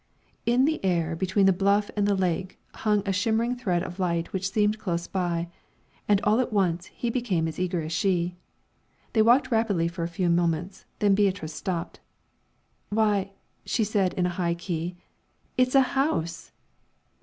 In the air, between the bluff and the lake, hung a shimmering thread of light which seemed close by, and all at once he became as eager as she. They walked rapidly for a few moments, then Beatrice stopped. "Why," she said, in a high key, "it's a house!"